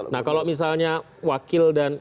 nah kalau misalnya wakil dan